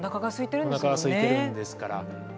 おなかがすいてるんですものね。